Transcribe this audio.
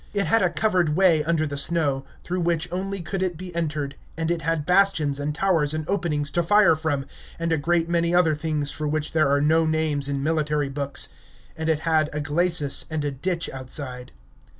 It had a covered way under the snow, through which only could it be entered, and it had bastions and towers and openings to fire from, and a great many other things for which there are no names in military books. And it had a glacis and a ditch outside.